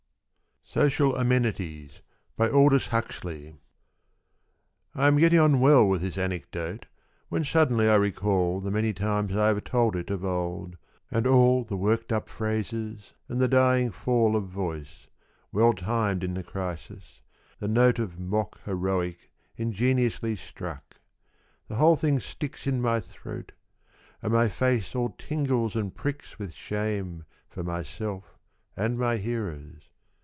SOCIAL AMENITIES. I AM getting on well with this anecdote, When suddenly I recall The many times I have told it of old And all the worked up phrases and the dying fall Of voice, well timed in the crisis, the note Of mock heroic ingeniously struck — The whole thing sticks in my throat, And my face all tingles and pricks with shame For myself and my hearers.